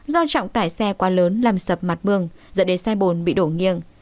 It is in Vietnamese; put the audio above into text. do trọng tải xe quá lớn làm sập mặt đường dẫn đến xe bồn bị đổ nghiêng